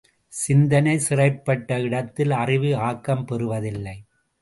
சிந்தனை சிறைப்பட்ட இடத்தில் அறிவு ஆக்கம் பெறுவதில்லை.